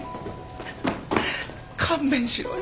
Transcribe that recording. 勘弁しろよ